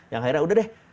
yang akhirnya udah deh